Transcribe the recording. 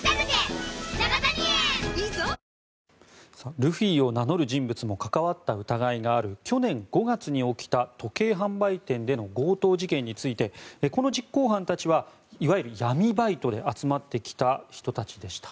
ルフィを名乗る人物も関わった疑いがある去年５月に起きた時計販売店での強盗事件についてこの実行犯たちはいわゆる闇バイトで集まってきた人たちでした。